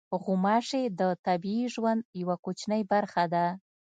غوماشې د طبیعي ژوند یوه کوچنۍ برخه ده.